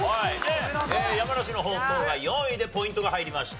山梨のほうとうが４位でポイントが入りました。